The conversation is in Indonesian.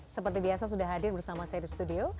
seperti biasa sudah hadir bersama saya di studio